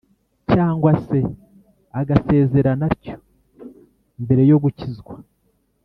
cyangwa se agasezerana atyo mbere yo gukizwa,